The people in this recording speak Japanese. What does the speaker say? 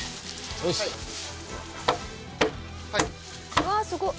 「うわすごっ！